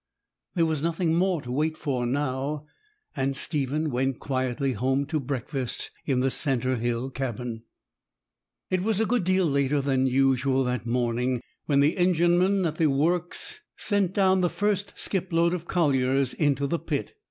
There was nothing more to wait for now; and Stephen went quietly home to breakfast in the cinder hill cabin. It was a good deal later than usual that morning when the engineman at the works sent down the first skip load of colliers into the pit.